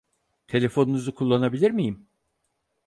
Telefonunuzu kullanabilir miyim?